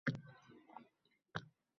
Bizning dunyo bo’lur